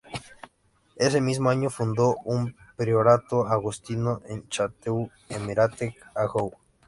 Ese mismo año fundó un priorato agustino en Château-l'Hermitage, Anjou.